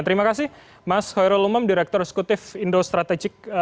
terima kasih mas hoero luhmam direktur sekutif indo strategic